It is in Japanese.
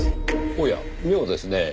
おや妙ですねぇ。